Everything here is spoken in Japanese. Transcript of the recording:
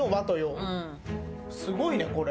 すごいねこれ。